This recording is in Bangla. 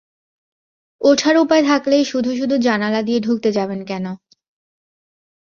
উঠার উপায় থাকলেই শুধু শুধু জানালা দিয়ে ঢুকতে যাবেন কেন?